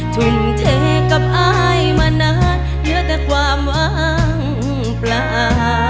ทุ่มเทกับอายมานานเหลือแต่ความว่างปลา